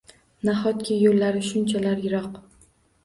Nahotki, yo’llari shunchalar yiroq!